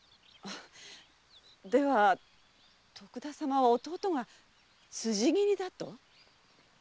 では徳田様は弟が辻斬りだと？